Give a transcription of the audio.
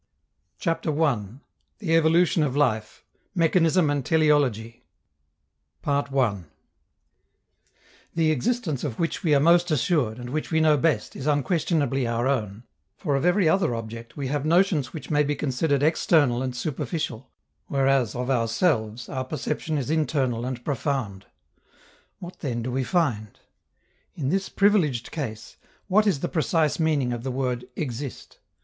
] CHAPTER I THE EVOLUTION OF LIFE MECHANISM AND TELEOLOGY The existence of which we are most assured and which we know best is unquestionably our own, for of every other object we have notions which may be considered external and superficial, whereas, of ourselves, our perception is internal and profound. What, then, do we find? In this privileged case, what is the precise meaning of the word "exist"?